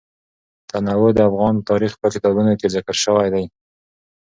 تنوع د افغان تاریخ په کتابونو کې ذکر شوی دي.